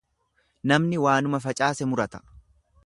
Namni waanuma facaase murata.